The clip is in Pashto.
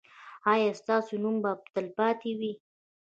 ایا ستاسو نوم به تلپاتې وي؟